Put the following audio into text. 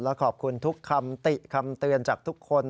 และขอบคุณทุกคำติคำเตือนจากทุกคน